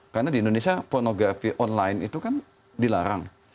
karena di indonesia pornografi online itu kan dilarang